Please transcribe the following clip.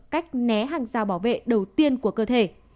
cách né hàng rào bảo vệ đầu tiên của cơ thể